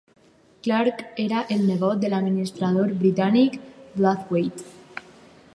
Clarke era el nebot de l'administrador britànic Blathwayt.